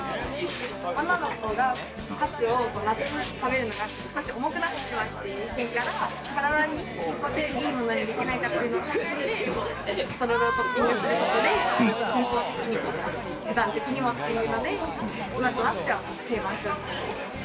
女の子がカツを夏、食べるのが少し重くなってしまっているから体にいいものにできないかというのを考えてトロロをトッピングすることで健康的にというので今となっては定番商品。